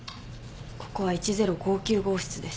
ここは１０５９号室です。